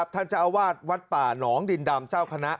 ท่านจะเอาวาสวป่าน๋องดินดำเจ้าคณะ